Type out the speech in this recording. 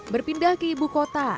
berpindah ke ibu kota